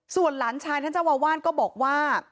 ส่วนหลานชายท่านเจ้าอาวาสก็บอกว่า